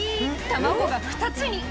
卵が２つに」